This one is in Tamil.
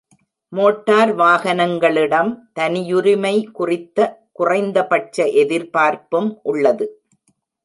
மோட்டார் வாகனங்களிடம் தனியுரிமை குறித்த குறைந்தபட்ச எதிர்பார்ப்பும் உள்ளது.